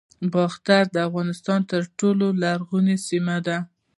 باختر د افغانستان تر ټولو لرغونې سیمه ده